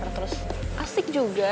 terus asik juga